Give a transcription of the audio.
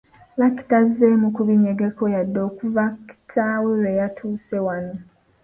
Lucky tazzeemu kubinyegako yadde okuva kitaawe lwe yatuuse wano.